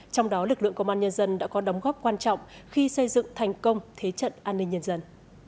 trong đó lực lượng công an nhân dân đã có đóng góp quan trọng khi xây dựng thành công thế trận an ninh nhân dân